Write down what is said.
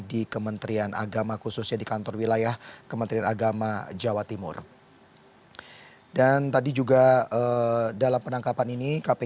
di media sosial dengan wink semprekwaukee